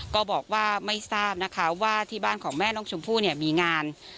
ก็บอกว่าไม่ทราบนะคะว่าที่บ้านของแม่น้องชมพู่เนี่ยมีงาน